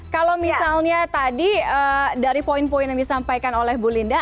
kalau misalnya tadi dari poin poin yang disampaikan oleh bu linda